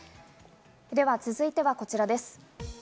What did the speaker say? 続いてはこちらです。